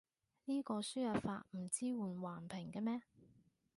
呢個輸入法唔支援橫屏嘅咩？